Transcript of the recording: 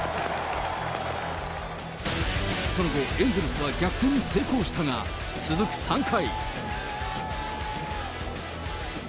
その後、エンゼルスは逆転に成功したが、続く３回。